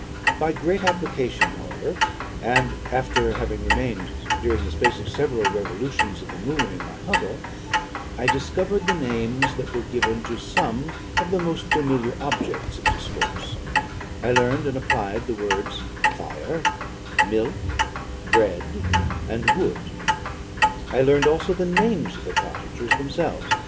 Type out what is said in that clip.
By great application, however, and after having remained during the space of several revolutions of the moon in my hovel, I discovered the names that were given to some of the most familiar objects of discourse; I learned and applied the words, fire, milk, bread, and wood. I learned also the names of the cottagers themselves.